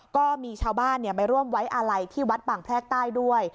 ก็มีชาวบ้านไปร่วมไว้อาลัยที่วัดบางแพรกใต้ด้วย